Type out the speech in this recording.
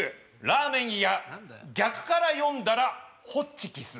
「ラーメン屋逆から読んだらホッチキス」。